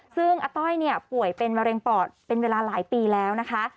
ซึ่งอาต้อยเนี่ยป่วยเป็นมะเร็งปอดเป็นเวลาหลายปีแล้วนะคะ